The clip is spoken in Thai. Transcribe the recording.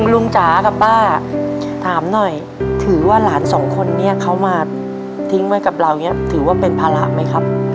จ๋ากับป้าถามหน่อยถือว่าหลานสองคนนี้เขามาทิ้งไว้กับเราอย่างนี้ถือว่าเป็นภาระไหมครับ